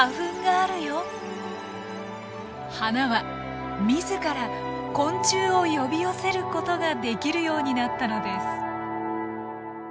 花は自ら昆虫を呼び寄せることができるようになったのです。